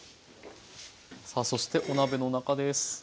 さあそしてお鍋の中です。